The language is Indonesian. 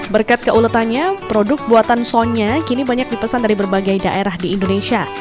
berkat keuletannya produk buatan sonnya kini banyak dipesan dari berbagai daerah di indonesia